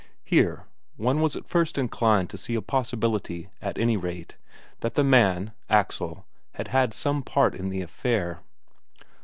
Here, one was at first inclined to see a possibility, at any rate, that the man, Axel, had had some part in the affair.